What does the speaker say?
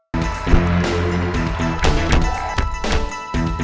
pak kita begitu